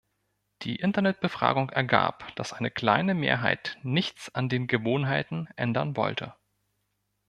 Die Internet-Befragung ergab, dass eine kleine Mehrheit nichts an den Gewohnheiten ändern wollte.